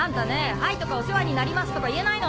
「はい」とか「お世話になります」とか言えないの？